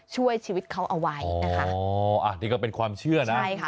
ช่วยชีวิตเขาเอาไว้นะคะอ๋ออ่ะนี่ก็เป็นความเชื่อนะใช่ค่ะ